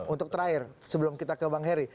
untuk terakhir sebelum kita ke bang heri